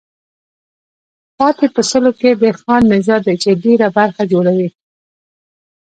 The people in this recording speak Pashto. پاتې په سلو کې د خان نژاد دی چې ډېره برخه جوړوي.